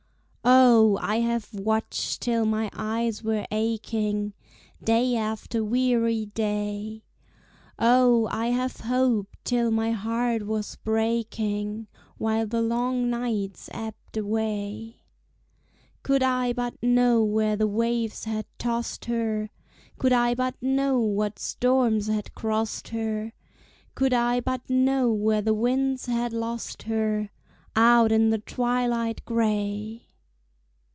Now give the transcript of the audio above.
Oh, I have watched till my eyes were aching, Day after weary day; Oh, I have hoped till my heart was breaking, While the long nights ebbed away; Could I but know where the waves had tossed her, Could I but know what storms had crossed her, Could I but know where the winds had lost her, Out in the twilight gray!